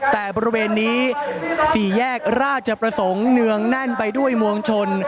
แต่บริเวณนี้สี่แยกราชประสงค์เนืองแน่นไปด้วยมวลชน